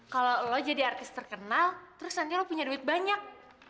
kalau kamu jadi artis terkenal terus nanti kamu punya uang banyak